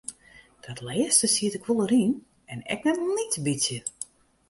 Dat lêste siet ik wol oer yn en ek net in lyts bytsje.